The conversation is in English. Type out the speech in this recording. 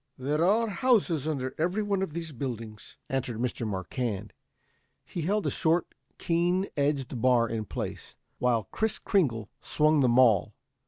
"There are houses under every one of these buildings," answered Mr. Marquand. He held a short, keen edged bar in place, while Kris Kringle swung the maul.